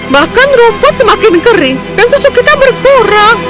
bahkan rumput semakin kering dan susu kita berkurang